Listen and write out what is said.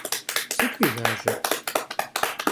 Sıt vui lajer?